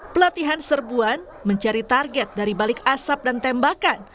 pelatihan serbuan mencari target dari balik asap dan tembakan